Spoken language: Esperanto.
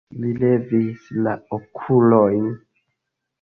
Li levis la okulojn.